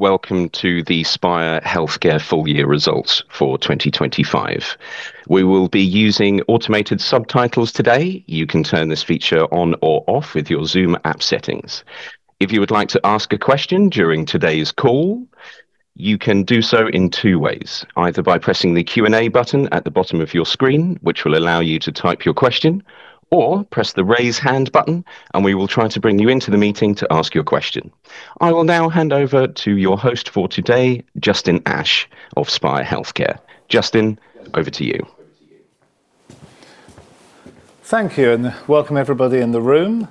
Welcome to the Spire Healthcare Full Year Results for 2025. We will be using automated subtitles today. You can turn this feature on or off with your Zoom app settings. If you would like to ask a question during today's call, you can do so in two ways, either by pressing the Q&A button at the bottom of your screen, which will allow you to type your question, or press the raise hand button and we will try to bring you into the meeting to ask your question. I will now hand over to your host for today, Justin Ash of Spire Healthcare. Justin, over to you. Thank you. Welcome everybody in the room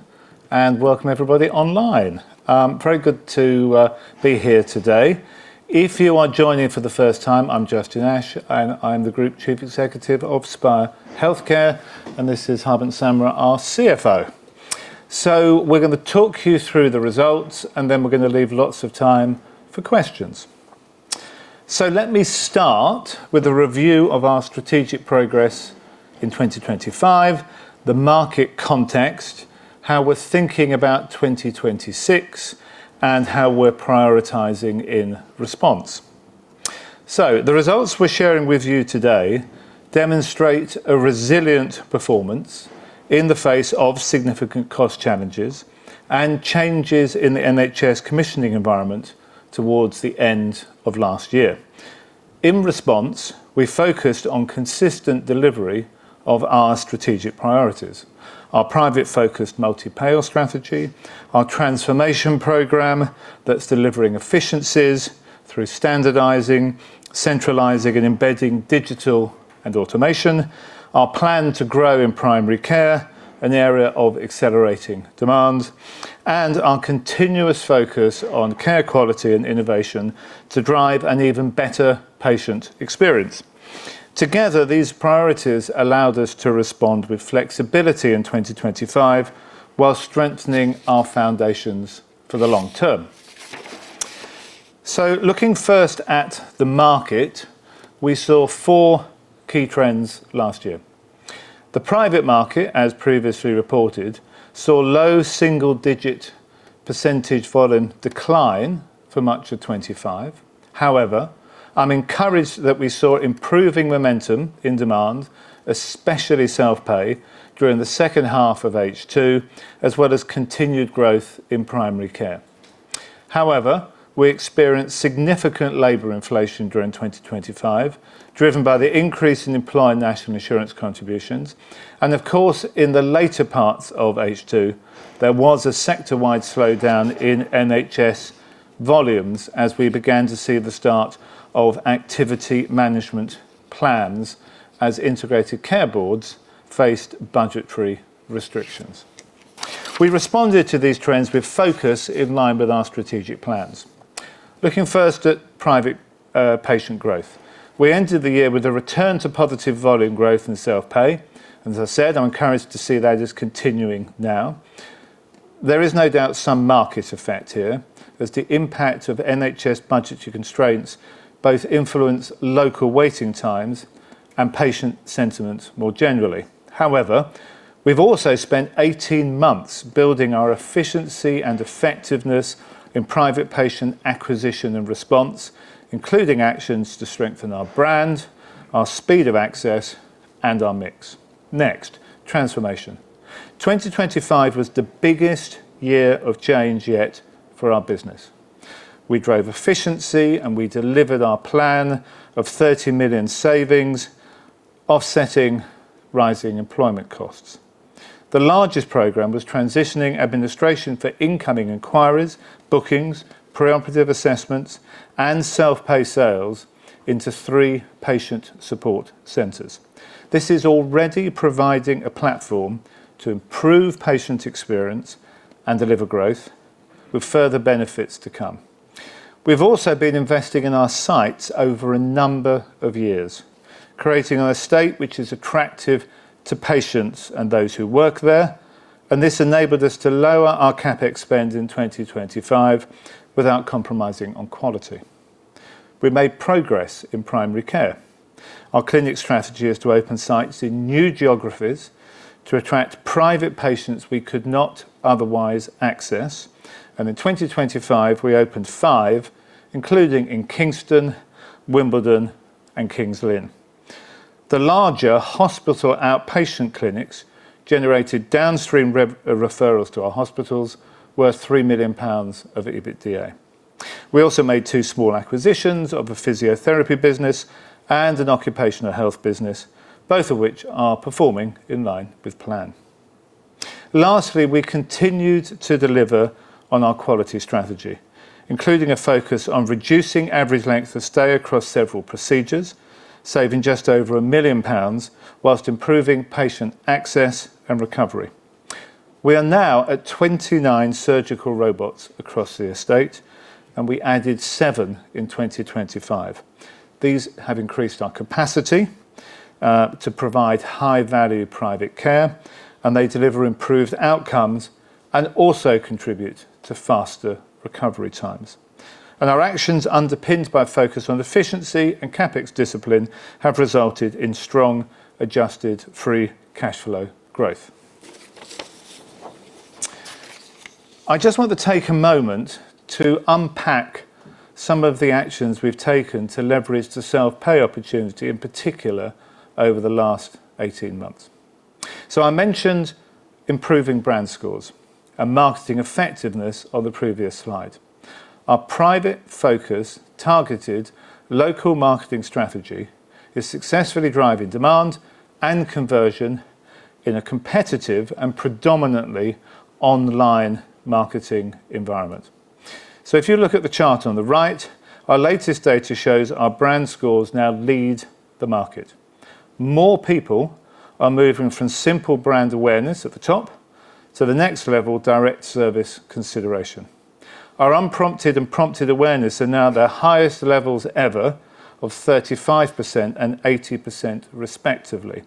and welcome everybody online. Very good to be here today. If you are joining for the first time, I'm Justin Ash, and I'm the Group Chief Executive of Spire Healthcare, and this is Harbant Samra, our CFO. We're gonna talk you through the results, and then we're gonna leave lots of time for questions. Let me start with a review of our strategic progress in 2025, the market context, how we're thinking about 2026, and how we're prioritizing in response. The results we're sharing with you today demonstrate a resilient performance in the face of significant cost challenges and changes in the NHS commissioning environment towards the end of last year. In response, we focused on consistent delivery of our strategic priorities, our private-focused multi-payer strategy, our transformation program that's delivering efficiencies through standardizing, centralizing, and embedding digital and automation, our plan to grow in primary care, an area of accelerating demand, and our continuous focus on care quality and innovation to drive an even better patient experience. Together, these priorities allowed us to respond with flexibility in 2025 while strengthening our foundations for the long term. Looking first at the market, we saw four key trends last year. The private market, as previously reported, saw low single-digit % volume decline for much of 2025. I'm encouraged that we saw improving momentum in demand, especially self-pay, during the second half of H2, as well as continued growth in primary care. We experienced significant labor inflation during 2025, driven by the increase in employee National Insurance contributions. Of course, in the later parts of H2, there was a sector-wide slowdown in NHS volumes as we began to see the start of activity management plans as integrated care boards faced budgetary restrictions. We responded to these trends with focus in line with our strategic plans. Looking first at private patient growth. We ended the year with a return to positive volume growth in self-pay, and as I said, I'm encouraged to see that is continuing now. There is no doubt some market effect here as the impact of NHS budgetary constraints both influence local waiting times and patient sentiment more generally. We've also spent 18 months building our efficiency and effectiveness in private patient acquisition and response, including actions to strengthen our brand, our speed of access, and our mix. Next, transformation. 2025 was the biggest year of change yet for our business. We drove efficiency, and we delivered our plan of 30 million savings, offsetting rising employment costs. The largest program was transitioning administration for incoming inquiries, bookings, preoperative assessments, and self-pay sales into three patient support centers. This is already providing a platform to improve patient experience and deliver growth with further benefits to come. We've also been investing in our sites over a number of years, creating an estate which is attractive to patients and those who work there, and this enabled us to lower our CapEx spend in 2025 without compromising on quality. We made progress in primary care. Our clinic strategy is to open sites in new geographies to attract private patients we could not otherwise access. In 2025 we opened five, including in Kingston, Wimbledon, and King's Lynn. The larger hospital outpatient clinics generated downstream referrals to our hospitals worth 3 million pounds of EBITDA. We also made two small acquisitions of a physiotherapy business and an occupational health business, both of which are performing in line with plan. Lastly, we continued to deliver on our quality strategy, including a focus on reducing average length of stay across several procedures, saving just over 1 million pounds whilst improving patient access and recovery. We are now at 29 surgical robots across the estate. We added seven in 2025. These have increased our capacity to provide high-value private care. They deliver improved outcomes and also contribute to faster recovery times. Our actions, underpinned by a focus on efficiency and CapEx discipline, have resulted in strong adjusted free cash flow growth. I just want to take a moment to unpack some of the actions we've taken to leverage the self-pay opportunity, in particular over the last 18 months. I mentioned improving brand scores and marketing effectiveness on the previous slide. Our private focus targeted local marketing strategy is successfully driving demand and conversion in a competitive and predominantly online marketing environment. If you look at the chart on the right, our latest data shows our brand scores now lead the market. More people are moving from simple brand awareness at the top to the next level, direct service consideration. Our unprompted and prompted awareness are now their highest levels ever of 35% and 80% respectively.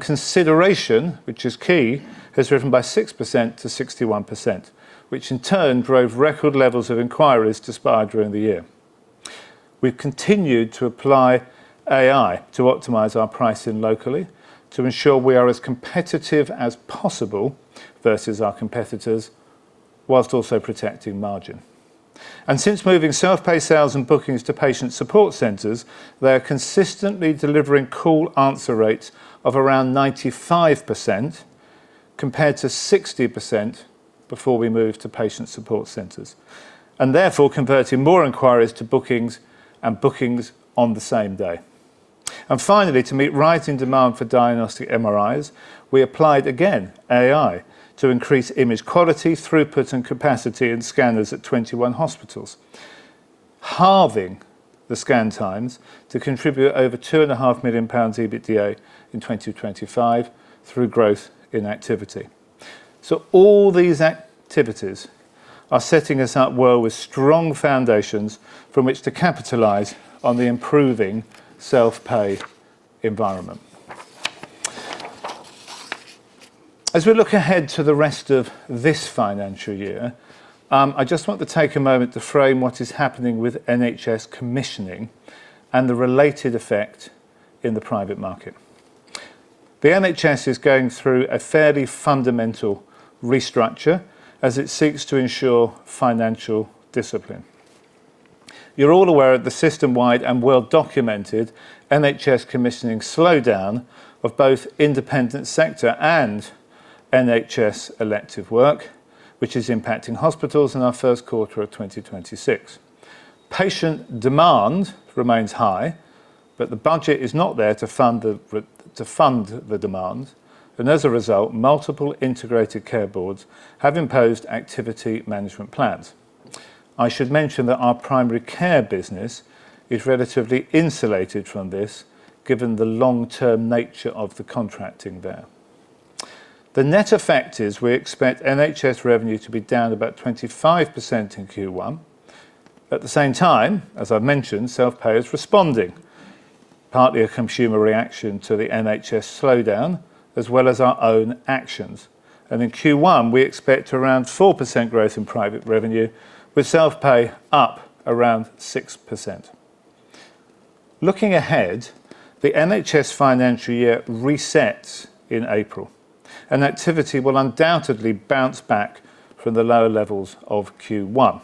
Consideration, which is key, has risen by 6% to 61%, which in turn drove record levels of inquiries to Spire during the year. We've continued to apply AI to optimize our pricing locally to ensure we are as competitive as possible versus our competitors while also protecting margin. Since moving self-pay sales and bookings to patient support centers, they are consistently delivering call answer rates of around 95% compared to 60% before we moved to patient support centers, and therefore converting more inquiries to bookings and bookings on the same day. Finally, to meet rising demand for diagnostic MRIs, we applied again AI to increase image quality, throughput and capacity in scanners at 21 hospitals, halving the scan times to contribute over two and a half million GBP EBITDA in 2025 through growth in activity. All these activities are setting us up well with strong foundations from which to capitalize on the improving self-pay environment. As we look ahead to the rest of this financial year, I just want to take a moment to frame what is happening with NHS commissioning and the related effect in the private market. The NHS is going through a fairly fundamental restructure as it seeks to ensure financial discipline. You're all aware of the system-wide and well-documented NHS commissioning slowdown of both independent sector and NHS elective work, which is impacting hospitals in our Q1 of 2026. Patient demand remains high, but the budget is not there to fund the demand, and as a result, multiple integrated care boards have imposed activity management plans. I should mention that our primary care business is relatively insulated from this given the long-term nature of the contracting there. The net effect is we expect NHS revenue to be down about 25% in Q1. At the same time, as I've mentioned, self-pay is responding, partly a consumer reaction to the NHS slowdown as well as our own actions. In Q1, we expect around 4% growth in private revenue with self-pay up around 6%. Looking ahead, the NHS financial year resets in April, and activity will undoubtedly bounce back from the lower levels of Q1.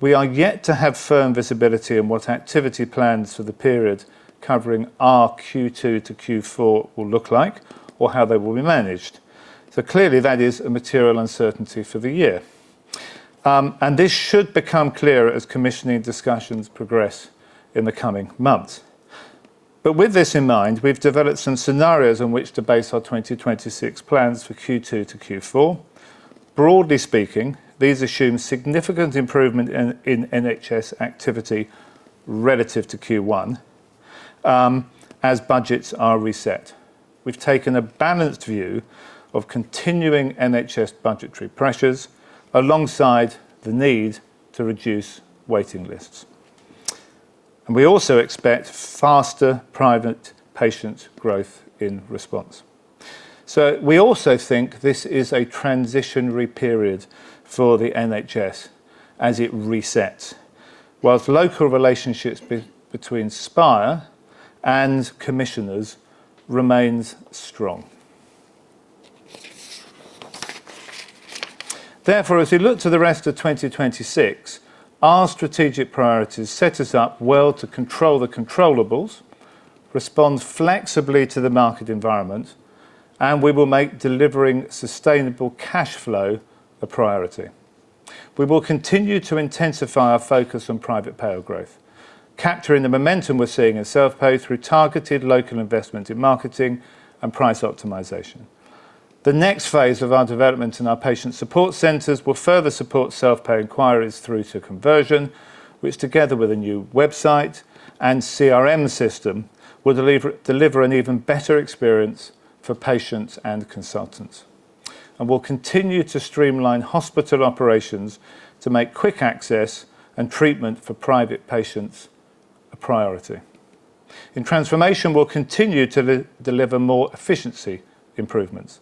We are yet to have firm visibility on what activity plans for the period covering our Q2 to Q4 will look like or how they will be managed. Clearly that is a material uncertainty for the year. This should become clearer as commissioning discussions progress in the coming months. With this in mind, we've developed some scenarios on which to base our 2026 plans for Q2 to Q4. Broadly speaking, these assume significant improvement in NHS activity relative to Q1 as budgets are reset. We've taken a balanced view of continuing NHS budgetary pressures alongside the need to reduce waiting lists. We also expect faster private patient growth in response. We also think this is a transitionary period for the NHS as it resets, while local relationships between Spire and commissioners remains strong. As we look to the rest of 2026, our strategic priorities set us up well to control the controllables, respond flexibly to the market environment, and we will make delivering sustainable cash flow a priority. We will continue to intensify our focus on private payer growth, capturing the momentum we're seeing in self-pay through targeted local investment in marketing and price optimization. The next phase of our development in our patient support centers will further support self-pay inquiries through to conversion, which together with a new website and CRM system, will deliver an even better experience for patients and consultants. We'll continue to streamline hospital operations to make quick access and treatment for private patients a priority. In transformation, we'll continue to deliver more efficiency improvements.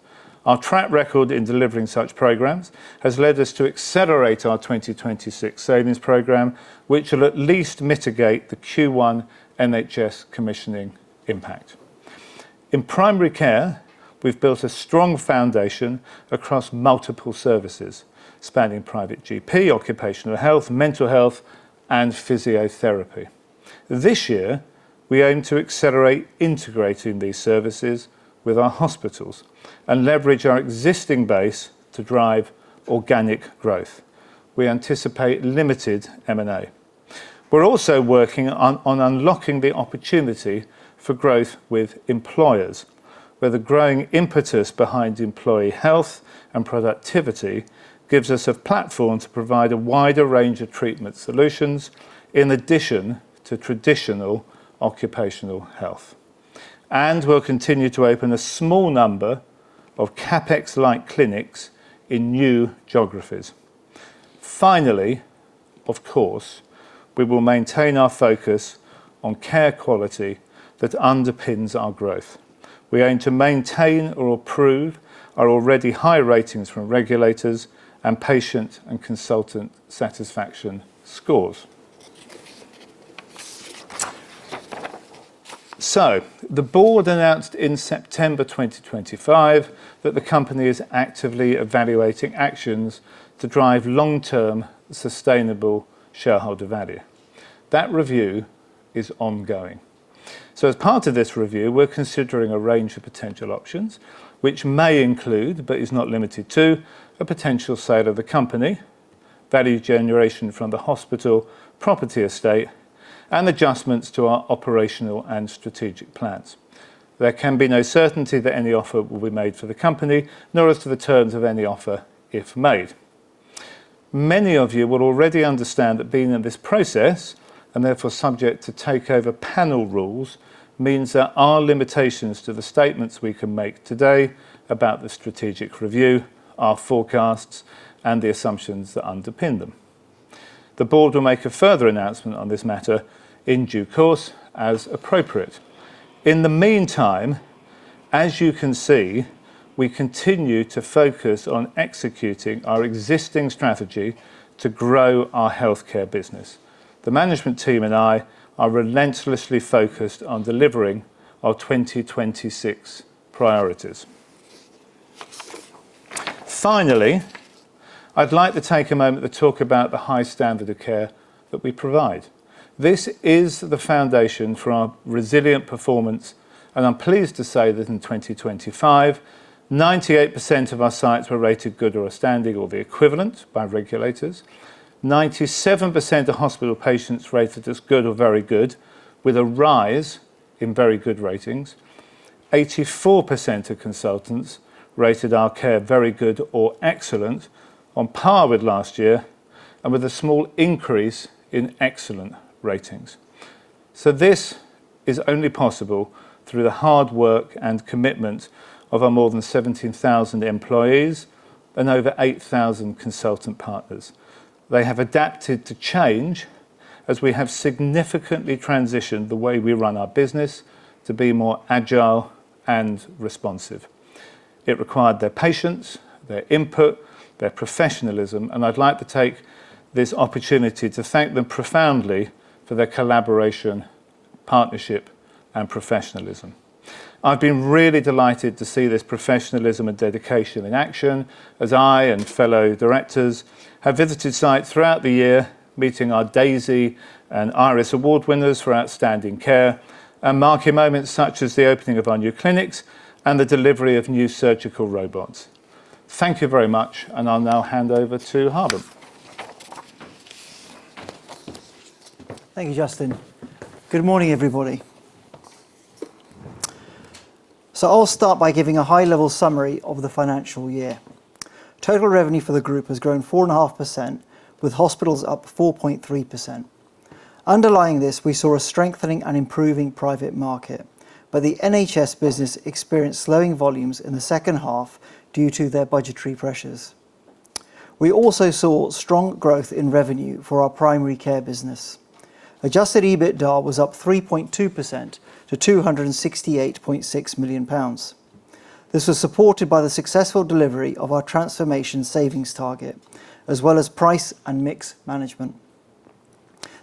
Our track record in delivering such programs has led us to accelerate our 2026 savings program, which will at least mitigate the Q1 NHS commissioning impact. In primary care, we've built a strong foundation across multiple services, spanning private GP, occupational health, mental health, and physiotherapy. This year, we aim to accelerate integrating these services with our hospitals and leverage our existing base to drive organic growth. We anticipate limited M&A. We're also working on unlocking the opportunity for growth with employers, where the growing impetus behind employee health and productivity gives us a platform to provide a wider range of treatment solutions in addition to traditional occupational health. We'll continue to open a small number of CapEx-like clinics in new geographies. Finally, of course, we will maintain our focus on care quality that underpins our growth. We aim to maintain or improve our already high ratings from regulators and patient and consultant satisfaction scores. The board announced in September 2025 that the company is actively evaluating actions to drive long-term sustainable shareholder value. That review is ongoing. As part of this review, we're considering a range of potential options, which may include, but is not limited to, a potential sale of the company, value generation from the hospital, property estate, and adjustments to our operational and strategic plans. There can be no certainty that any offer will be made for the company, nor as to the terms of any offer if made. Many of you will already understand that being in this process, and therefore subject to Takeover Panel rules, means there are limitations to the statements we can make today about the strategic review, our forecasts, and the assumptions that underpin them. The board will make a further announcement on this matter in due course as appropriate. In the meantime, as you can see, we continue to focus on executing our existing strategy to grow our healthcare business. The management team and I are relentlessly focused on delivering our 2026 priorities. Finally, I'd like to take a moment to talk about the high standard of care that we provide. This is the foundation for our resilient performance. I'm pleased to say that in 2025, 98% of our sites were rated good or outstanding or the equivalent by regulators. 97% of hospital patients rated as good or very good, with a rise in very good ratings. 84% of consultants rated our care very good or excellent, on par with last year, with a small increase in excellent ratings. This is only possible through the hard work and commitment of our more than 17,000 employees and over 8,000 consultant partners. They have adapted to change as we have significantly transitioned the way we run our business to be more agile and responsive. It required their patience, their input, their professionalism. I'd like to take this opportunity to thank them profoundly for their collaboration, partnership, and professionalism. I've been really delighted to see this professionalism and dedication in action as I and fellow directors have visited sites throughout the year, meeting our DAISY and IRIS Award winners for outstanding care and marking moments such as the opening of our new clinics and the delivery of new surgical robots. Thank you very much. I'll now hand over to Harbant. Thank you, Justin. Good morning, everybody. I'll start by giving a high-level summary of the financial year. Total revenue for the group has grown 4.5%, with hospitals up 4.3%. Underlying this, we saw a strengthening and improving private market, but the NHS business experienced slowing volumes in the second half due to their budgetary pressures. We also saw strong growth in revenue for our primary care business. Adjusted EBITDA was up 3.2% to 268.6 million pounds. This was supported by the successful delivery of our transformation savings target, as well as price and mix management.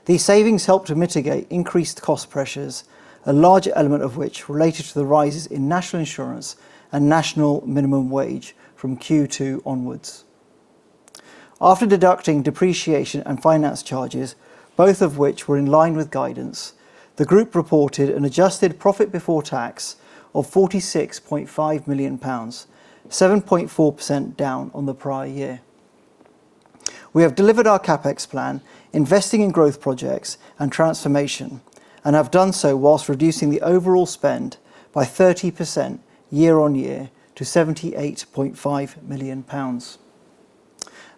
These savings helped to mitigate increased cost pressures, a large element of which related to the rises in National Insurance and National Minimum Wage from Q2 onwards. After deducting depreciation and finance charges, both of which were in line with guidance, the group reported an adjusted profit before tax of 46.5 million pounds, 7.4% down on the prior year. We have delivered our CapEx plan, investing in growth projects and transformation, and have done so whilst reducing the overall spend by 30% year-on-year to 78.5 million pounds.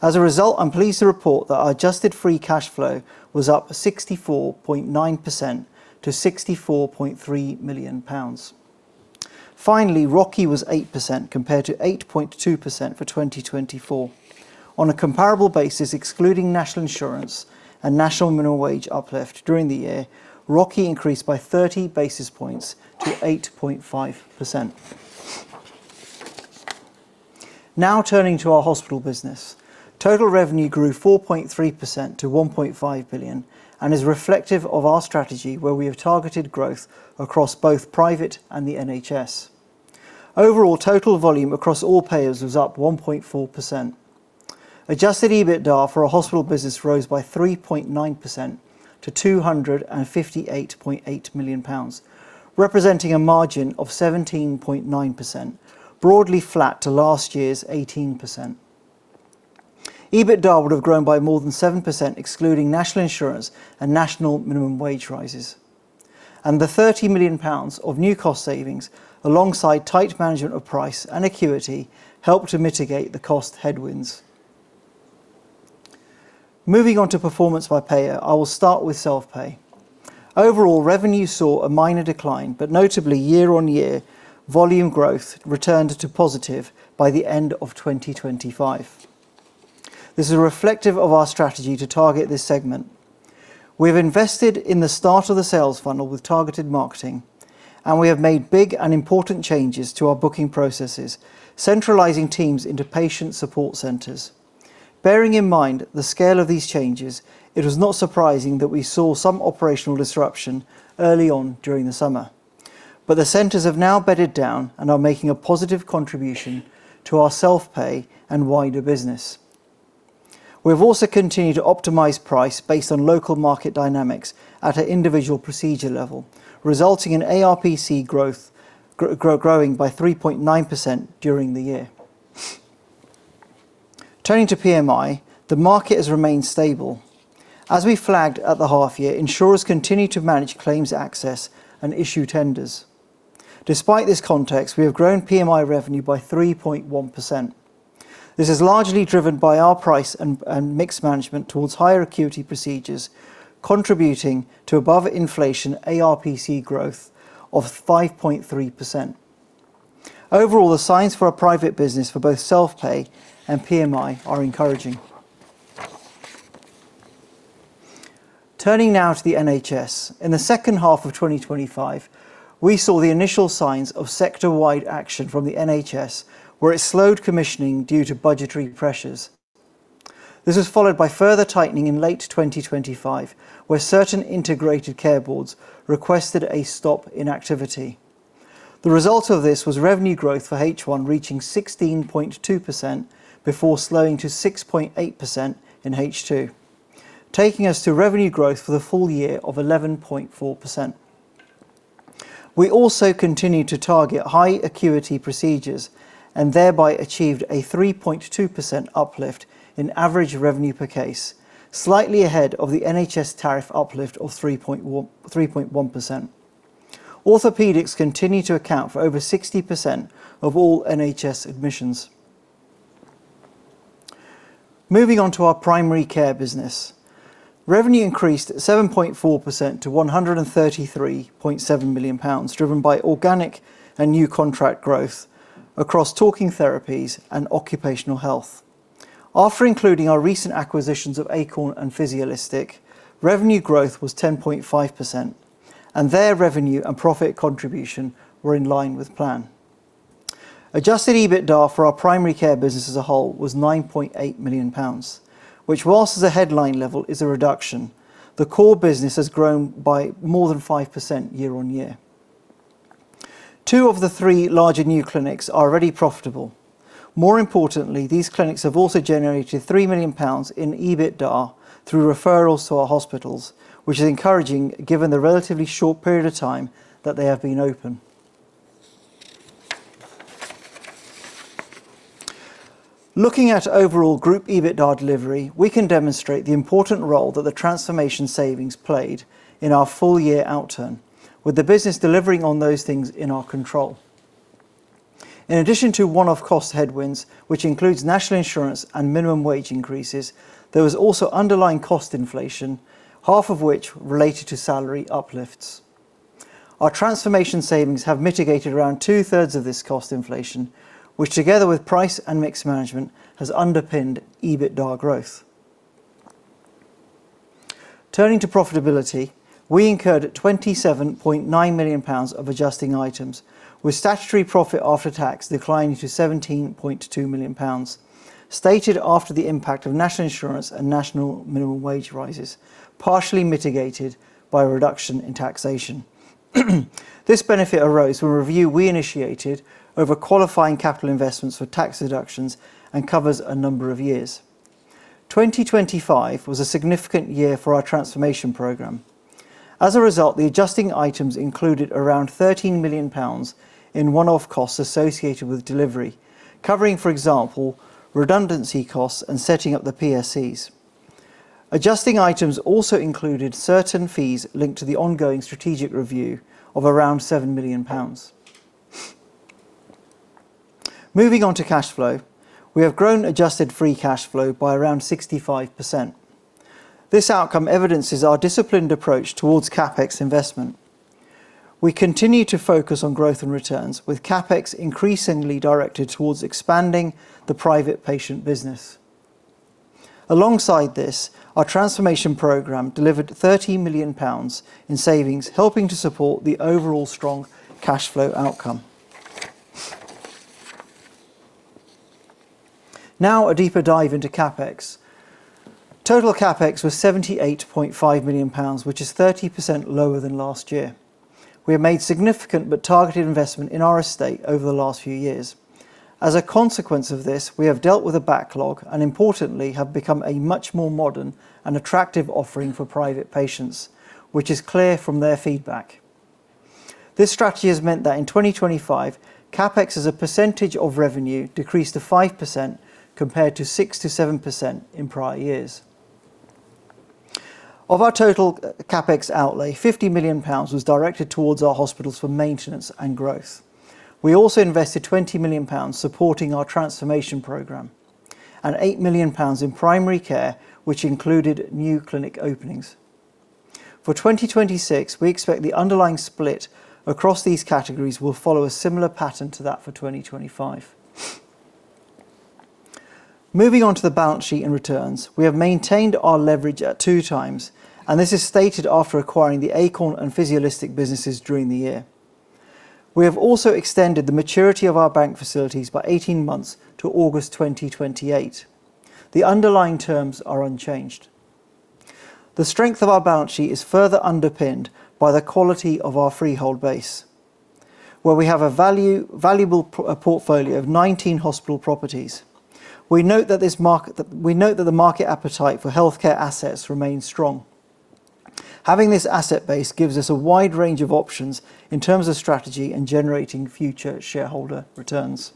As a result, I'm pleased to report that our adjusted free cash flow was up 64.9% to 64.3 million pounds. Finally, ROCE was 8% compared to 8.2% for 2024. On a comparable basis, excluding National Insurance and National Minimum Wage uplift during the year, ROCE increased by 30 basis points to 8.5%. Turning to our hospital business. Total revenue grew 4.3% to 1.5 billion, is reflective of our strategy where we have targeted growth across both private and the NHS. Overall, total volume across all payers was up 1.4%. Adjusted EBITDA for our hospital business rose by 3.9% to 258.8 million pounds, representing a margin of 17.9%, broadly flat to last year's 18%. EBITDA would have grown by more than 7% excluding National Insurance and National Minimum Wage rises. The 30 million pounds of new cost savings alongside tight management of price and acuity helped to mitigate the cost headwinds. Moving on to performance by payer, I will start with self-pay. Overall, revenue saw a minor decline, notably year-on-year volume growth returned to positive by the end of 2025. This is reflective of our strategy to target this segment. We have invested in the start of the sales funnel with targeted marketing. We have made big and important changes to our booking processes, centralizing teams into Patient Support Centers. Bearing in mind the scale of these changes, it was not surprising that we saw some operational disruption early on during the summer. The centers have now bedded down and are making a positive contribution to our self-pay and wider business. We've also continued to optimize price based on local market dynamics at an individual procedure level, resulting in ARPC growth growing by 3.9% during the year. Turning to PMI, the market has remained stable. As we flagged at the half year, insurers continue to manage claims access and issue tenders. Despite this context, we have grown PMI revenue by 3.1%. This is largely driven by our price and mix management towards higher acuity procedures, contributing to above-inflation ARPC growth of 5.3%. Overall, the signs for our private business for both self-pay and PMI are encouraging. Turning now to the NHS. In the second half of 2025, we saw the initial signs of sector-wide action from the NHS, where it slowed commissioning due to budgetary pressures. This was followed by further tightening in late 2025, where certain integrated care boards requested a stop in activity. The result of this was revenue growth for H1 reaching 16.2% before slowing to 6.8% in H2, taking us to revenue growth for the full year of 11.4%. We also continued to target high acuity procedures and thereby achieved a 3.2% uplift in average revenue per case, slightly ahead of the NHS tariff uplift of 3.1%. Orthopedics continue to account for over 60% of all NHS admissions. Moving on to our primary care business. Revenue increased 7.4% to 133.7 million pounds, driven by organic and new contract growth across talking therapies and occupational health. After including our recent acquisitions of Acorn and Physiolistic, revenue growth was 10.5%, and their revenue and profit contribution were in line with plan. Adjusted EBITDA for our primary care business as a whole was 9.8 million pounds, which whilst as a headline level is a reduction, the core business has grown by more than 5% year-on-year. Two of the three larger new clinics are already profitable. More importantly, these clinics have also generated 3 million pounds in EBITDA through referrals to our hospitals, which is encouraging given the relatively short period of time that they have been open. Looking at overall group EBITDA delivery, we can demonstrate the important role that the transformation savings played in our full year outturn with the business delivering on those things in our control. In addition to one-off cost headwinds, which includes National Insurance and minimum wage increases, there was also underlying cost inflation, half of which related to salary uplifts. Our transformation savings have mitigated around two-thirds of this cost inflation, which together with price and mix management, has underpinned EBITDA growth. Turning to profitability, we incurred 27.9 million pounds of adjusting items, with statutory profit after tax declining to 17.2 million pounds, stated after the impact of National Insurance and National Minimum Wage rises, partially mitigated by a reduction in taxation. This benefit arose from a review we initiated over qualifying capital investments for tax deductions and covers a number of years. 2025 was a significant year for our transformation program. As a result, the adjusting items included around 13 million pounds in one-off costs associated with delivery, covering, for example, redundancy costs and setting up the PSCs. Adjusting items also included certain fees linked to the ongoing strategic review of around 7 million pounds. Moving on to cash flow. We have grown adjusted free cash flow by around 65%. This outcome evidences our disciplined approach towards CapEx investment. We continue to focus on growth and returns, with CapEx increasingly directed towards expanding the private patient business. Alongside this, our transformation program delivered 30 million pounds in savings, helping to support the overall strong cash flow outcome. A deeper dive into CapEx. Total CapEx was 78.5 million pounds, which is 30% lower than last year. We have made significant but targeted investment in our estate over the last few years. As a consequence of this, we have dealt with a backlog and importantly, have become a much more modern and attractive offering for private patients, which is clear from their feedback. This strategy has meant that in 2025, CapEx as a percentage of revenue decreased to 5% compared to 6%-7% in prior years. Of our total CapEx outlay, 50 million pounds was directed towards our hospitals for maintenance and growth. We also invested 20 million pounds supporting our transformation program and 8 million pounds in primary care, which included new clinic openings. For 2026, we expect the underlying split across these categories will follow a similar pattern to that for 2025. Moving on to the balance sheet and returns. We have maintained our leverage at two times, and this is stated after acquiring the Acorn and Physiolistic businesses during the year. We have also extended the maturity of our bank facilities by 18 months to August 2028. The underlying terms are unchanged. The strength of our balance sheet is further underpinned by the quality of our freehold base, where we have a valuable portfolio of 19 hospital properties. We note that the market appetite for healthcare assets remains strong. Having this asset base gives us a wide range of options in terms of strategy and generating future shareholder returns.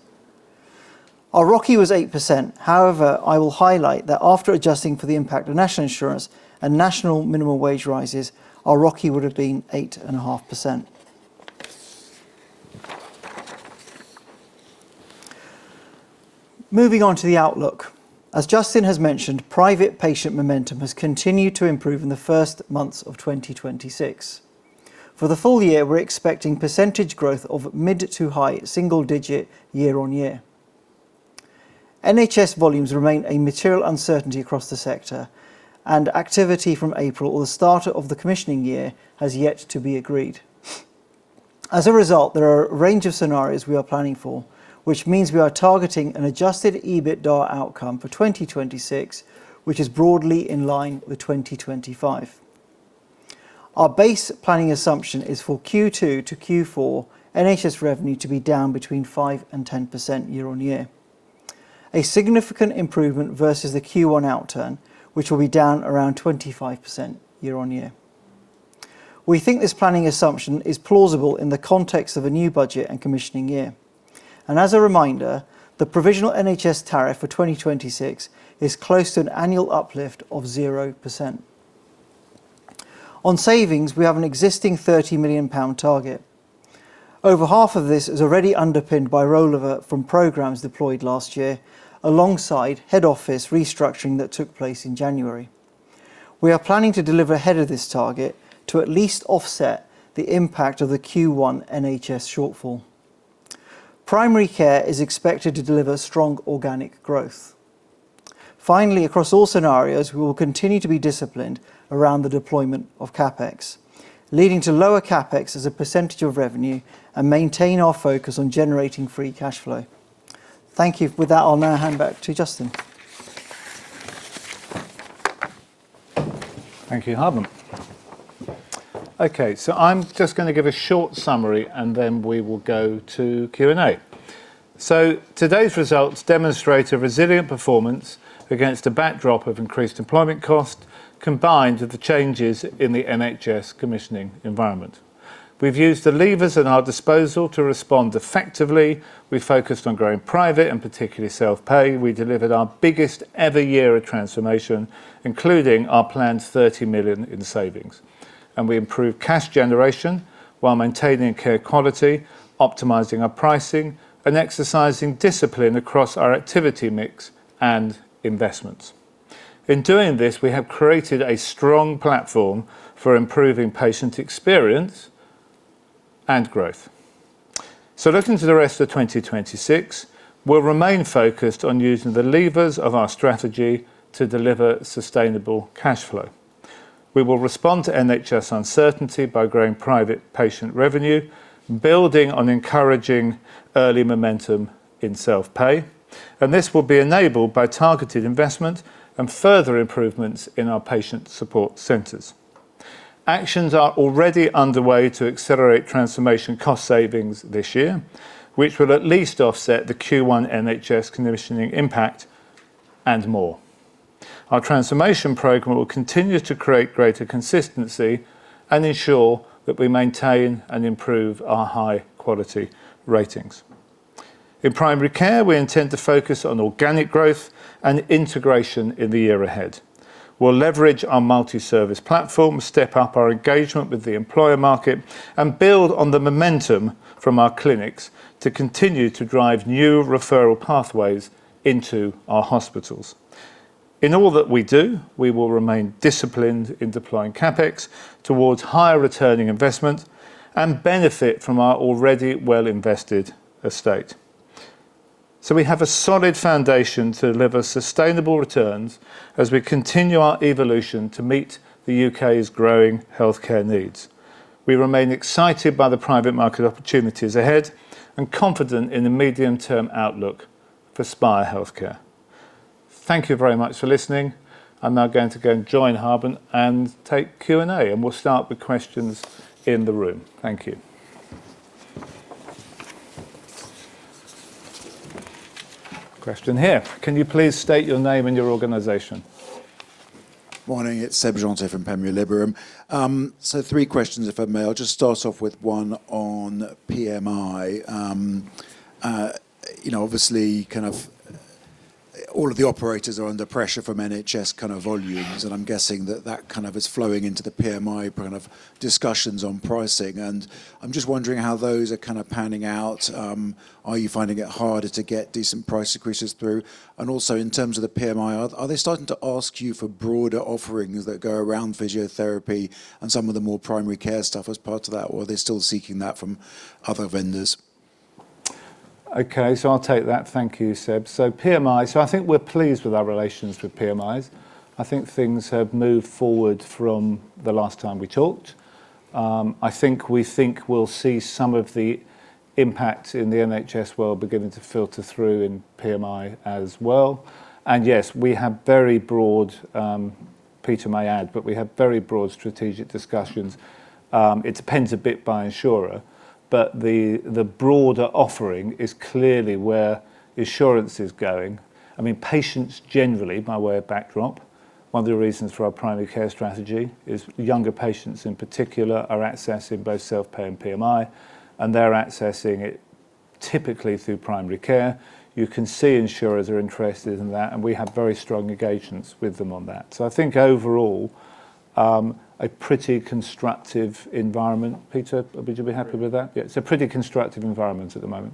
Our ROCE was 8%. I will highlight that after adjusting for the impact of national insurance and national minimum wage rises, our ROCE would have been 8.5%. Moving on to the outlook. As Justin has mentioned, private patient momentum has continued to improve in the first months of 2026. For the full year, we're expecting percentage growth of mid to high single digit year-on-year. NHS volumes remain a material uncertainty across the sector. Activity from April or the start of the commissioning year has yet to be agreed. As a result, there are a range of scenarios we are planning for, which means we are targeting an adjusted EBITDA outcome for 2026, which is broadly in line with 2025. Our base planning assumption is for Q2 to Q4 NHS revenue to be down between 5% and 10% year-on-year, a significant improvement versus the Q1 outturn, which will be down around 25% year-on-year. We think this planning assumption is plausible in the context of a new budget and commissioning year. As a reminder, the provisional NHS tariff for 2026 is close to an annual uplift of 0%. On savings, we have an existing 30 million pound target. Over half of this is already underpinned by rollover from programs deployed last year, alongside head office restructuring that took place in January. We are planning to deliver ahead of this target to at least offset the impact of the Q1 NHS shortfall. Primary care is expected to deliver strong organic growth. Finally, across all scenarios, we will continue to be disciplined around the deployment of CapEx, leading to lower CapEx as a % of revenue and maintain our focus on generating free cash flow. Thank you. With that, I'll now hand back to Justin. Thank you, Harbant. I'm just going to give a short summary and then we will go to Q&A. Today's results demonstrate a resilient performance against a backdrop of increased employment cost, combined with the changes in the NHS commissioning environment. We've used the levers at our disposal to respond effectively. We focused on growing private and particularly self-pay. We delivered our biggest ever year of transformation, including our planned 30 million in savings. We improved cash generation while maintaining care quality, optimizing our pricing, and exercising discipline across our activity mix and investments. In doing this, we have created a strong platform for improving patient experience and growth. Looking to the rest of 2026, we'll remain focused on using the levers of our strategy to deliver sustainable cash flow. We will respond to NHS uncertainty by growing private patient revenue, building on encouraging early momentum in self-pay, and this will be enabled by targeted investment and further improvements in our patient support centers. Actions are already underway to accelerate transformation cost savings this year, which will at least offset the Q1 NHS commissioning impact and more. Our transformation program will continue to create greater consistency and ensure that we maintain and improve our high quality ratings. In primary care, we intend to focus on organic growth and integration in the year ahead. We'll leverage our multi-service platform, step up our engagement with the employer market, and build on the momentum from our clinics to continue to drive new referral pathways into our hospitals. In all that we do, we will remain disciplined in deploying CapEx towards higher returning investment and benefit from our already well-invested estate. We have a solid foundation to deliver sustainable returns as we continue our evolution to meet the U.K.'s growing healthcare needs. We remain excited by the private market opportunities ahead and confident in the medium-term outlook for Spire Healthcare. Thank you very much for listening. I'm now going to go and join Harbant and take Q&A, and we'll start with questions in the room. Thank you. Question here. Can you please state your name and your organization? Morning, it's Seb Jantet from Panmure Liberum. Three questions, if I may. I'll just start off with one on PMI. You know, obviously, kind of all of the operators are under pressure from NHS kind of volumes, and I'm guessing that that kind of is flowing into the PMI kind of discussions on pricing. I'm just wondering how those are kind of panning out. Are you finding it harder to get decent price increases through? Also, in terms of the PMI, are they starting to ask you for broader offerings that go around physiotherapy and some of the more primary care stuff as part of that, or are they still seeking that from other vendors? I'll take that. Thank you, Seb. PMI. I think we're pleased with our relations with PMIs. I think things have moved forward from the last time we talked. I think we think we'll see some of the impact in the NHS world beginning to filter through in PMI as well. Yes, we have very broad, Peter may add, but we have very broad strategic discussions. It depends a bit by insurer, but the broader offering is clearly where insurance is going. I mean, patients generally, by way of backdrop, one of the reasons for our primary care strategy is younger patients, in particular, are accessing both self-pay and PMI, and they're accessing it typically through primary care. You can see insurers are interested in that, and we have very strong engagements with them on that. I think overall, a pretty constructive environment. Peter, would you be happy with that? It's a pretty constructive environment at the moment.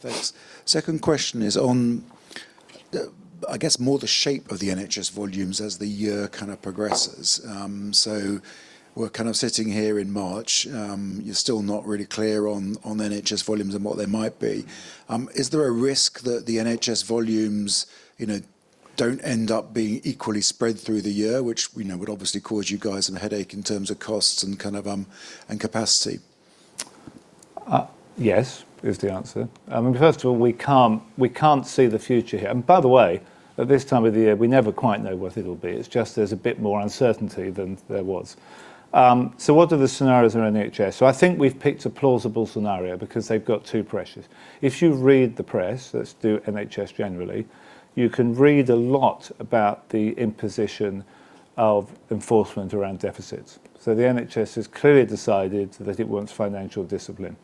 Thanks. Second question is on, I guess, more the shape of the NHS volumes as the year kind of progresses. We're kind of sitting here in March. You're still not really clear on NHS volumes and what they might be. Is there a risk that the NHS volumes, you know, don't end up being equally spread through the year, which we know would obviously cause you guys some headache in terms of costs and kind of, and capacity? Yes is the answer. I mean, first of all, we can't, we can't see the future here. By the way, at this time of the year, we never quite know what it'll be. It's just there's a bit more uncertainty than there was. What are the scenarios in NHS? I think we've picked a plausible scenario because they've got two pressures. If you read the press, let's do NHS generally, you can read a lot about the imposition of enforcement around deficits. The NHS has clearly decided that it wants financial discipline.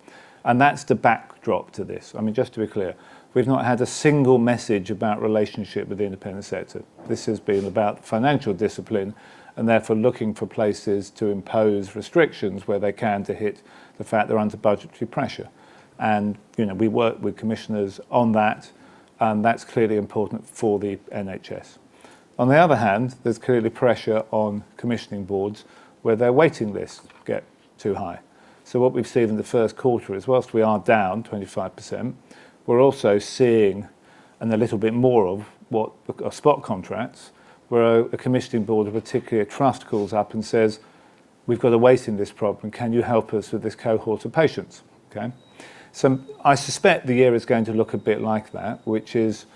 That's the backdrop to this. I mean, just to be clear, we've not had a single message about relationship with the independent sector. This has been about financial discipline and therefore looking for places to impose restrictions where they can to hit the fact they're under budgetary pressure. You know, we work with commissioners on that, and that's clearly important for the NHS. On the other hand, there's clearly pressure on commissioning boards where their waiting lists get too high. What we've seen in the Q1 is whilst we are down 25%, we're also seeing and a little bit more of what spot contracts, where a commissioning board of a particular trust calls up and says, "We've got a waiting list problem. Can you help us with this cohort of patients?" Okay? I suspect the year is going to look a bit like that, which is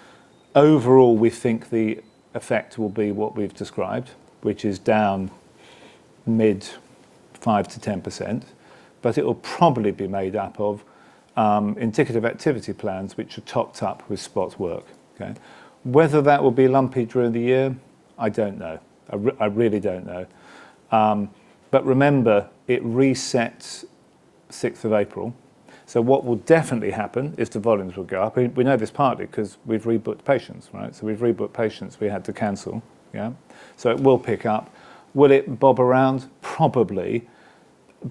overall, we think the effect will be what we've described, which is down mid 5%-10%, but it will probably be made up of indicative activity plans which are topped up with spot work. Okay? Whether that will be lumpy during the year, I don't know. I really don't know. Remember, it resets sixth of April. What will definitely happen is the volumes will go up. We know this partly 'cause we've rebooked patients, right? We've rebooked patients we had to cancel. Yeah. It will pick up. Will it bob around? Probably.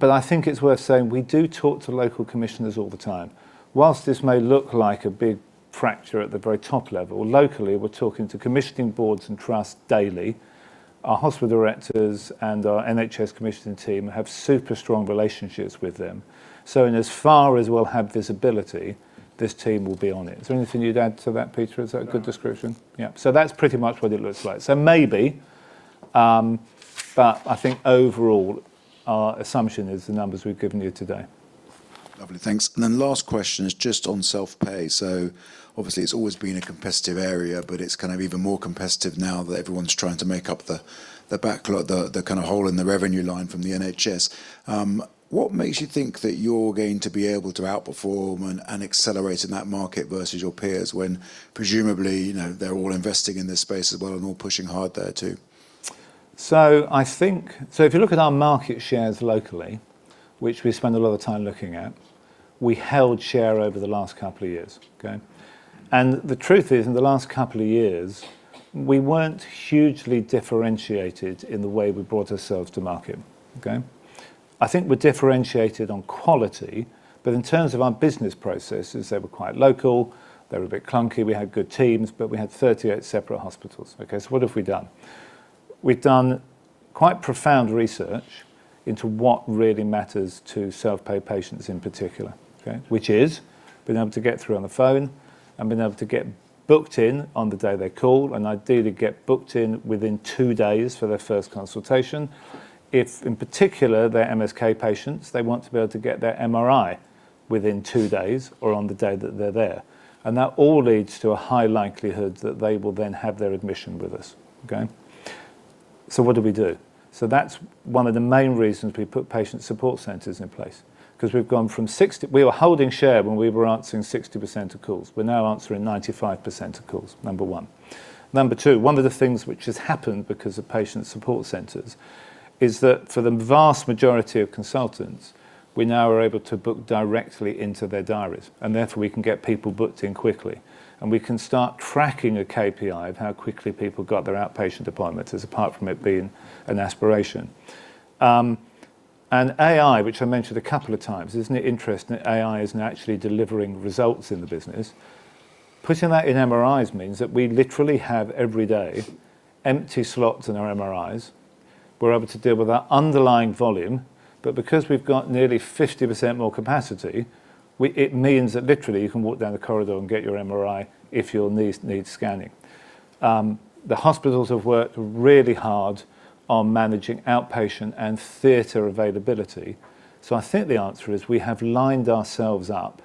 I think it's worth saying we do talk to local commissioners all the time. Whilst this may look like a big fracture at the very top level, locally, we're talking to commissioning boards and trusts daily. Our hospital directors and our NHS commissioning team have super strong relationships with them. In as far as we'll have visibility, this team will be on it. Is there anything you'd add to that, Peter? Is that a good description? Yeah. That's pretty much what it looks like. Maybe, but I think overall, our assumption is the numbers we've given you today. Lovely. Thanks. Last question is just on self-pay. Obviously it's always been a competitive area, but it's kind of even more competitive now that everyone's trying to make up the backlog, the kind of hole in the revenue line from the NHS. What makes you think that you're going to be able to outperform and accelerate in that market versus your peers when presumably, you know, they're all investing in this space as well and all pushing hard there too? If you look at our market shares locally, which we spend a lot of time looking at, we held share over the last couple of years. Okay? The truth is, in the last couple of years, we weren't hugely differentiated in the way we brought ourselves to market. Okay? I think we're differentiated on quality, but in terms of our business processes, they were quite local, they were a bit clunky. We had good teams, but we had 38 separate hospitals. What have we done? Quite profound research into what really matters to self-pay patients in particular, okay? Which is being able to get through on the phone and being able to get booked in on the day they call and ideally get booked in within two days for their first consultation. If in particular they're MSK patients, they want to be able to get their MRI within two days or on the day that they're there, and that all leads to a high likelihood that they will then have their admission with us. Okay? What do we do? That's one of the main reasons we put patient support centers in place because we've gone from 60. We were holding share when we were answering 60% of calls. We're now answering 95% of calls, number one. Number two, one of the things which has happened because of patient support centers is that for the vast majority of consultants, we now are able to book directly into their diaries. Therefore, we can get people booked in quickly and we can start tracking a KPI of how quickly people got their outpatient appointments as apart from it being an aspiration. AI, which I mentioned a couple of times, isn't it interesting that AI is now actually delivering results in the business? Putting that in MRIs means that we literally have every day empty slots in our MRIs. We're able to deal with our underlying volume, but because we've got nearly 50% more capacity, it means that literally you can walk down the corridor and get your MRI if your knees need scanning. The hospitals have worked really hard on managing outpatient and theater availability. I think the answer is we have lined ourselves up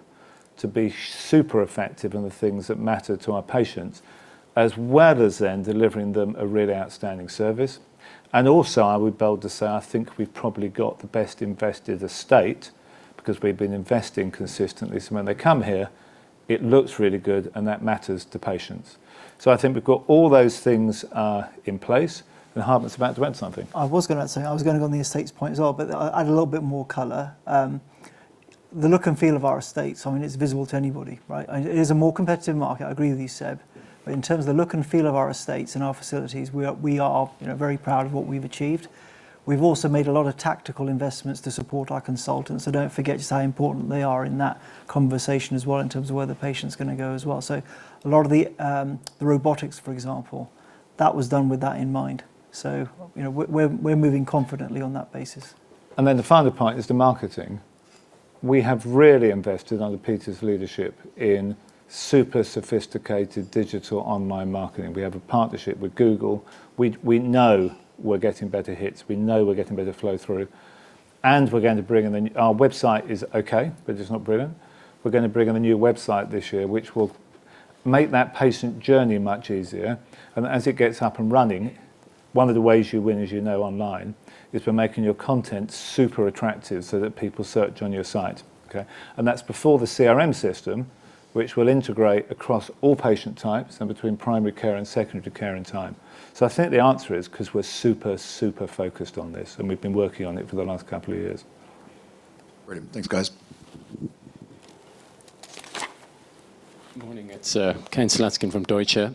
to be super effective in the things that matter to our patients, as well as then delivering them a really outstanding service. I would bold to say I think we've probably got the best invested estate because we've been investing consistently. When they come here, it looks really good and that matters to patients. I think we've got all those things in place, and Harbant's about to add something. I was gonna say, I was gonna go on the estates point as well, but add a little bit more color. The look and feel of our estates, I mean, it's visible to anybody, right? It is a more competitive market. I agree with you, Seb. In terms of the look and feel of our estates and our facilities, we are, you know, very proud of what we've achieved. We've also made a lot of tactical investments to support our consultants, so don't forget just how important they are in that conversation as well in terms of where the patient's gonna go as well. A lot of the robotics, for example, that was done with that in mind. You know, we're moving confidently on that basis. The final part is the marketing. We have really invested under Peter's leadership in super sophisticated digital online marketing. We have a partnership with Google. We know we're getting better hits, we know we're getting better flow through. Our website is okay, but it's not brilliant. We're gonna bring in a new website this year, which will make that patient journey much easier. As it gets up and running, one of the ways you win, as you know, online is by making your content super attractive so that people search on your site. Okay? That's before the CRM system, which will integrate across all patient types and between primary care and secondary care in time. I think the answer is 'cause we're super focused on this, and we've been working on it for the last couple of years. Brilliant. Thanks, guys. Good morning. It's Kane Slutzkin from Deutsche.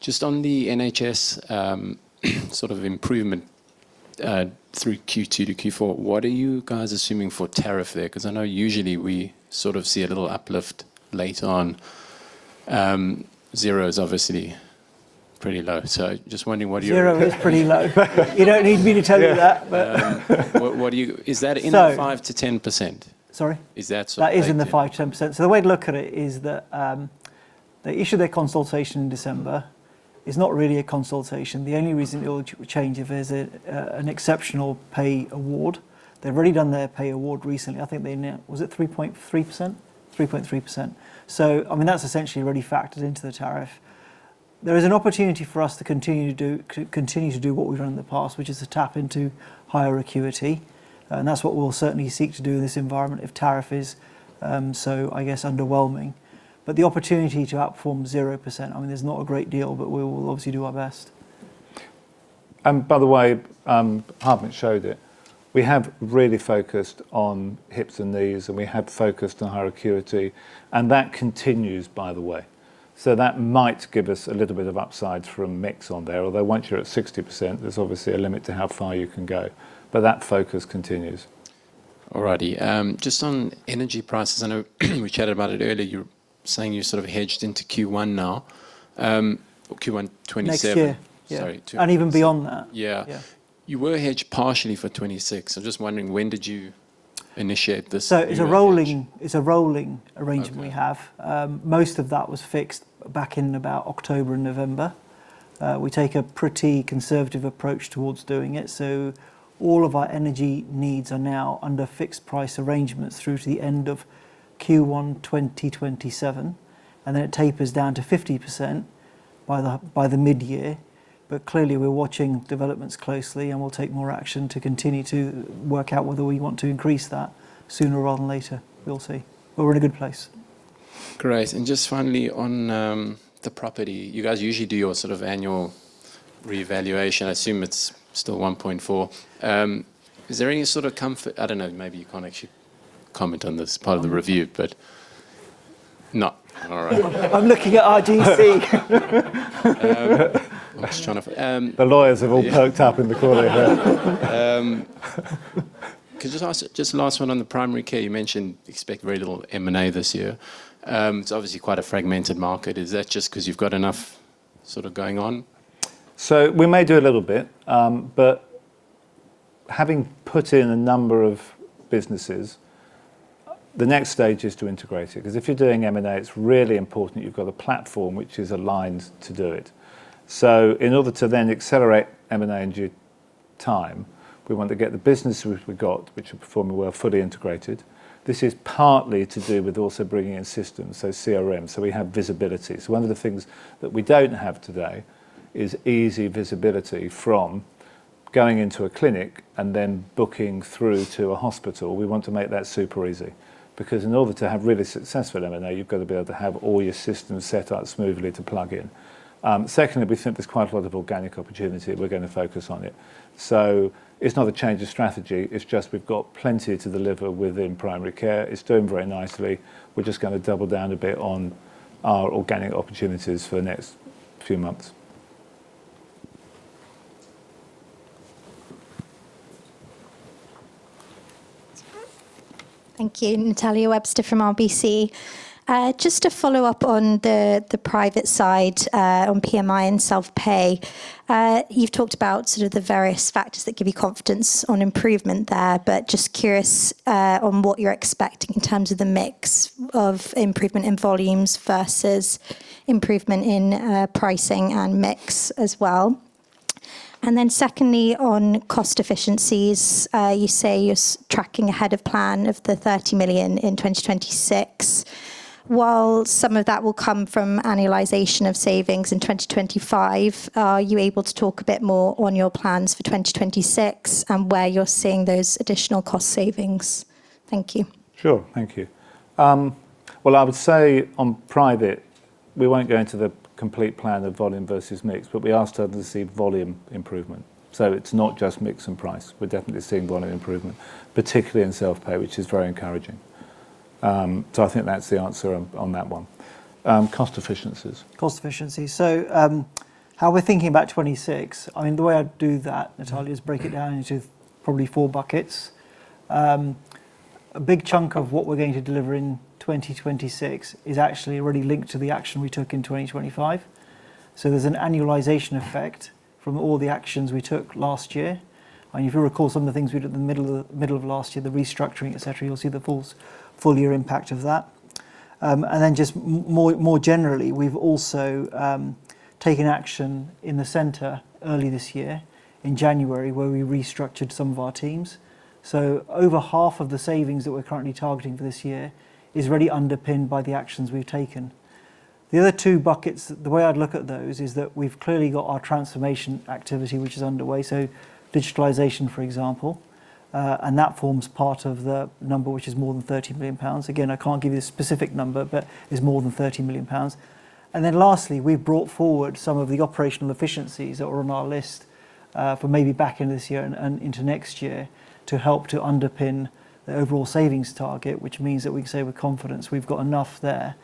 Just on the NHS, sort of improvement through Q2 to Q4, what are you guys assuming for tariff there? 'Cause I know usually we sort of see a little uplift late on. Zero is obviously pretty low. Just wondering what you. Zero is pretty low. You don't need me to tell you that. What do you... Is that in the- So- 5%-10%? Sorry? Is that sort of baked in? That is in the 5-10%. The way to look at it is that they issue their consultation in December. It's not really a consultation. The only reason it will change if there's an exceptional pay award. They've already done their pay award recently. I think they Was it 3.3%? 3.3%. I mean, that's essentially already factored into the tariff. There is an opportunity for us to continue to do what we've done in the past, which is to tap into higher acuity, and that's what we'll certainly seek to do in this environment if tariff is so I guess underwhelming. The opportunity to outperform 0%, I mean, there's not a great deal, but we will obviously do our best. By the way, Harbant showed it. We have really focused on hips and knees, and we have focused on higher acuity, and that continues by the way. That might give us a little bit of upside from mix on there. Although once you're at 60%, there's obviously a limit to how far you can go, but that focus continues. All righty. Just on energy prices, I know we chatted about it earlier. You were saying you sort of hedged into Q1 now, or Q1 2027. Next year. Sorry. Even beyond that. Yeah. Yeah. You were hedged partially for 2026. I'm just wondering when did you initiate this. It's a rolling- Energy hedge? It's a rolling arrangement we have. Most of that was fixed back in about October and November. We take a pretty conservative approach towards doing it, so all of our energy needs are now under fixed price arrangements through to the end of Q1 2027, and then it tapers down to 50% by the midyear. Clearly, we're watching developments closely, and we'll take more action to continue to work out whether we want to increase that sooner rather than later. We'll see. We're in a good place. Great. Just finally on, the property. You guys usually do your sort of annual reevaluation. I assume it's still 1.4. Is there any sort of comfort? I don't know, maybe you can't actually comment on this part of the review, but. No. All right. I'm looking at our GC. I'll ask Jonathan. The lawyers have all perked up in the corner here. Can I just ask just last one on the primary care? You mentioned expect very little M&A this year. It's obviously quite a fragmented market. Is that just 'cause you've got enough sort of going on? We may do a little bit, but having put in a number of businesses, the next stage is to integrate it. 'Cause if you're doing M&A, it's really important that you've got a platform which is aligned to do it. In order to then accelerate M&A in due time, we want to get the business route we got, which are performing well, fully integrated. This is partly to do with also bringing in systems, so CRMs, so we have visibility. One of the things that we don't have today is easy visibility from going into a clinic and then booking through to a hospital. We want to make that super easy because in order to have really successful M&A, you've got to be able to have all your systems set up smoothly to plug in. Secondly, we think there's quite a lot of organic opportunity. We're gonna focus on it. It's not a change of strategy. It's just we've got plenty to deliver within primary care. It's doing very nicely. We're just gonna double down a bit on our organic opportunities for the next few months. Thank you. Natalia Webster from RBC. Just to follow up on the private side, on PMI and self-pay. You've talked about sort of the various factors that give you confidence on improvement there, but just curious on what you're expecting in terms of the mix of improvement in volumes versus improvement in pricing and mix as well. Secondly, on cost efficiencies, you say you're tracking ahead of plan of the 30 million in 2026. While some of that will come from annualization of savings in 2025, are you able to talk a bit more on your plans for 2026 and where you're seeing those additional cost savings? Thank you. Sure. Thank you. Well, I would say on private, we won't go into the complete plan of volume versus mix, but we are starting to see volume improvement. It's not just mix and price. We're definitely seeing volume improvement, particularly in self-pay, which is very encouraging. I think that's the answer on that one. Cost efficiencies. Cost efficiencies. How we're thinking about 26, I mean, the way I'd do that, Natalia, is break it down into probably four buckets. A big chunk of what we're going to deliver in 2026 is actually already linked to the action we took in 2025. There's an annualization effect from all the actions we took last year. If you recall some of the things we did in the middle of last year, the restructuring, et cetera, you'll see the full year impact of that. Just more generally, we've also taken action in the center early this year in January, where we restructured some of our teams. Over half of the savings that we're currently targeting for this year is really underpinned by the actions we've taken. The other two buckets, the way I'd look at those is that we've clearly got our transformation activity, which is underway, so digitalization, for example, and that forms part of the number, which is more than 30 million pounds. Again, I can't give you a specific number, but it's more than 30 million pounds. Lastly, we've brought forward some of the operational efficiencies that were on our list for maybe back in this year and into next year to help to underpin the overall savings target, which means that we can say with confidence, we've got enough there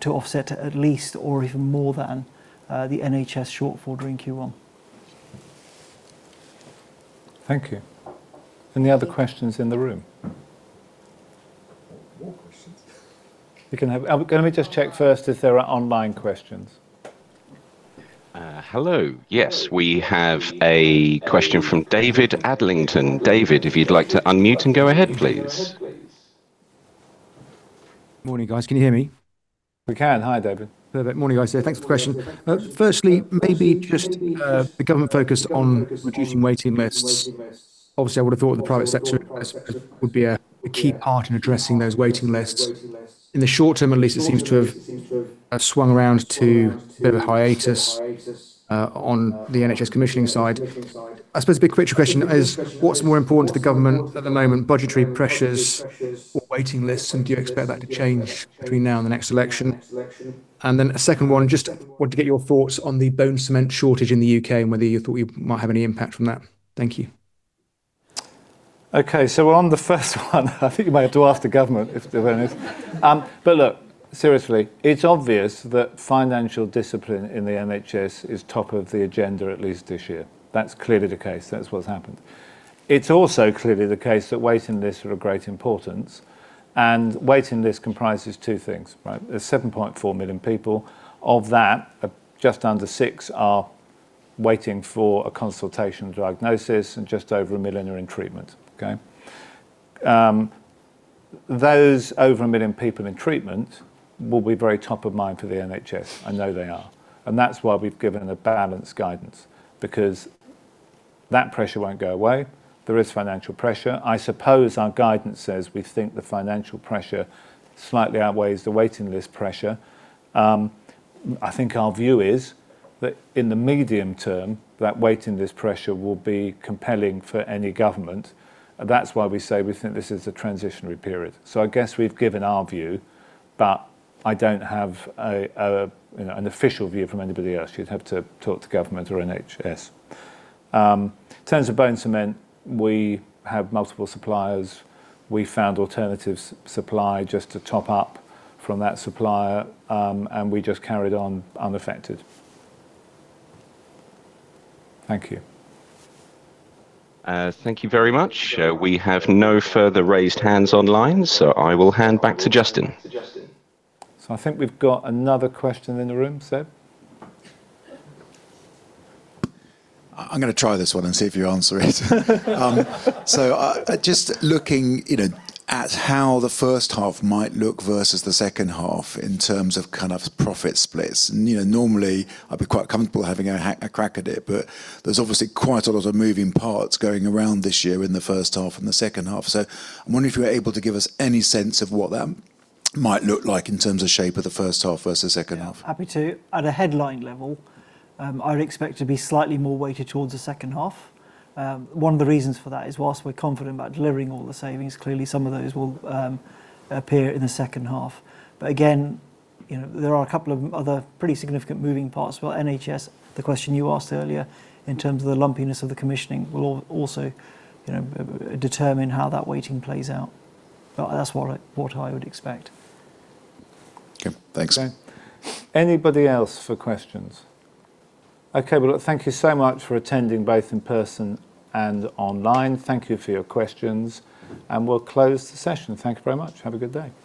to offset at least or even more than the NHS shortfall during Q1. Thank you. Any other questions in the room? More questions. Can we just check first if there are online questions? Hello. Yes, we have a question from David Adlington. David, if you'd like to unmute and go ahead, please. Morning, guys. Can you hear me? We can. Hi, David. Perfect. Morning, guys. Yeah, thanks for the question. Firstly, maybe just, the government focus on reducing waiting lists. Obviously, I would have thought the private sector as would be a key part in addressing those waiting lists. In the short term, at least, it seems to have swung around to a bit of a hiatus, on the NHS commissioning side. I suppose the big question is, what's more important to the government at the moment, budgetary pressures or waiting lists? Do you expect that to change between now and the next election? A second one, just want to get your thoughts on the bone cement shortage in the U.K. and whether you thought we might have any impact from that. Thank you. On the first one, I think you might have to ask the government if there is. Look, seriously, it's obvious that financial discipline in the NHS is top of the agenda at least this year. That's clearly the case. That's what's happened. It's also clearly the case that waiting lists are of great importance. Waiting lists comprises two things, right? There's 7.4 million people. Of that, just under six are waiting for a consultation diagnosis and just over 1 million are in treatment. Okay. Those over one million people in treatment will be very top of mind for the NHS. I know they are. That's why we've given a balanced guidance because that pressure won't go away. There is financial pressure. I suppose our guidance says we think the financial pressure slightly outweighs the waiting list pressure. I think our view is that in the medium term, that waiting list pressure will be compelling for any government. That's why we say we think this is a transitionary period. I guess we've given our view, but I don't have you know, an official view from anybody else. You'd have to talk to government or NHS. In terms of bone cement, we have multiple suppliers. We found alternative supply just to top up from that supplier, and we just carried on unaffected. Thank you. Thank you very much. We have no further raised hands online. I will hand back to Justin. I think we've got another question in the room, Seb. I'm gonna try this one and see if you answer it. Just looking, you know, at how the first half might look versus the second half in terms of kind of profit splits. You know, normally, I'd be quite comfortable having a crack at it, but there's obviously quite a lot of moving parts going around this year in the first half and the second half. I'm wondering if you were able to give us any sense of what that might look like in terms of shape of the first half versus second half. Yeah. Happy to. At a headline level, I would expect to be slightly more weighted towards the second half. One of the reasons for that is whilst we're confident about delivering all the savings, clearly some of those will appear in the second half. Again, you know, there are a couple of other pretty significant moving parts. While NHS, the question you asked earlier in terms of the lumpiness of the commissioning will also, you know, determine how that weighting plays out. That's what I, what I would expect. Okay, thanks. Anybody else for questions? Okay. Well, look, thank you so much for attending both in person and online. Thank you for your questions, and we'll close the session. Thank you very much. Have a good day.